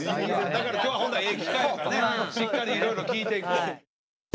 だから今日はホントええ機会やからねしっかりいろいろ聞いていこう。